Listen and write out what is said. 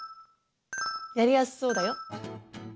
やりやすそうだよ。